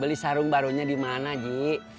beli sarung barunya di mana ji